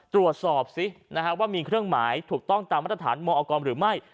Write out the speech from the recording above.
ดูสิว่ามีเครื่องหมายถูกต้องตามมาตรฐานมอกรหรือไม่